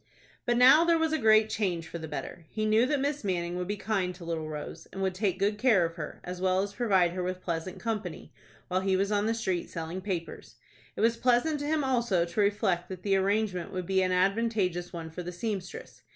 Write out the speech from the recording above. But now there was a great change for the better. He knew that Miss Manning would be kind to little Rose, and would take good care of her, as well as provide her with pleasant company, while he was on the street selling papers. It was pleasant to him also to reflect that the arrangement would be an advantageous one for the seamstress.